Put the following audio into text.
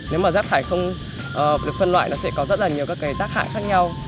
nếu mà rác thải không được phân loại nó sẽ có rất là nhiều các cái tác hại khác nhau